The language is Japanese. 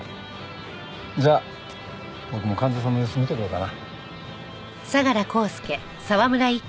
じゃあ僕も患者さんの様子見てこようかな。